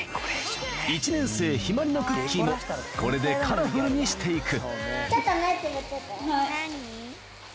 １年生ひまりのクッキーもこれでカラフルにしていく